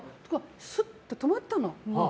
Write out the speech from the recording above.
スッと止まったの。